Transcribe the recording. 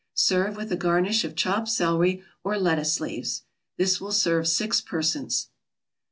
Serve with a garnish of chopped celery or lettuce leaves. This will serve six persons.